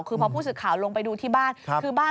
คือพอพูดสิทธิ์ข่าวลงไปดูที่บ้าน